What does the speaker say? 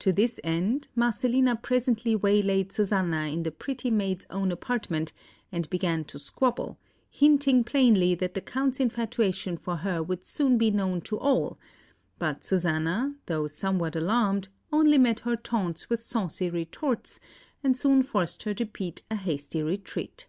To this end, Marcellina presently waylaid Susanna in the pretty maid's own apartment, and began to squabble, hinting plainly that the Count's infatuation for her would soon be known to all; but Susanna, though somewhat alarmed, only met her taunts with saucy retorts, and soon forced her to beat a hasty retreat.